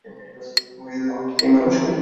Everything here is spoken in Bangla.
মেয়েটিকে আমি নিজেই মানুষ করি।